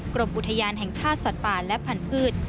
กรมอุทยานแห่งชาติสัตว์ป่าและพันธุ์